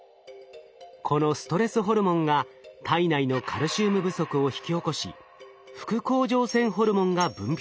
このストレスホルモンが体内のカルシウム不足を引き起こし副甲状腺ホルモンが分泌。